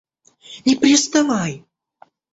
Не приставай!